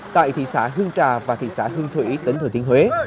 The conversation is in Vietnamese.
tại thị xã hương trà và thị xã hương thủy tỉnh thừa thiên huế